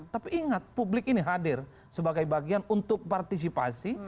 tapi ingat publik ini hadir sebagai bagian untuk partisipasi